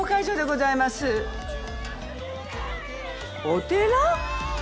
お寺？